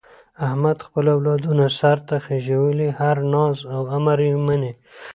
احمد خپل اولادونه سرته خېژولي، هر ناز او امر یې مني.